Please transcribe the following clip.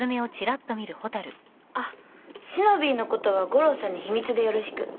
あっしのびぃのことは悟郎さんに秘密でよろしく。